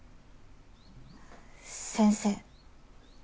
先生？